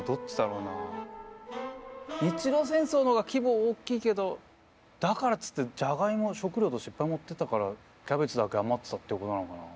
日露戦争の方が規模おっきいけどだからっつってジャガイモを食料としていっぱい持ってたからキャベツだけ余ってたってことなのかな。